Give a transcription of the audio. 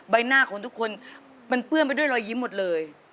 ใบหน้าของทุกคนมันเปื้อนไปด้วยรอยยิ้มหมดเลย